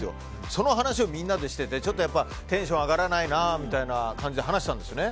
その話をみんなでしててテンション上がらないなみたいな感じで話していたんですよね。